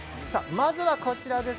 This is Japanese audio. まずはこちらです。